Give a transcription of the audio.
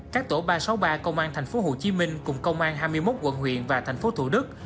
các tổ ba trăm sáu mươi ba công an tp hcm cùng công an hai mươi một quận huyện và thành phố thủ đức